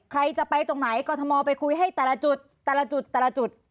ใครจะไปตรงไหนกรทมไปคุยให้แต่ละจุดแต่ละจุดแต่ละจุด